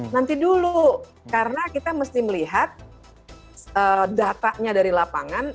nanti dulu karena kita mesti melihat datanya dari lapangan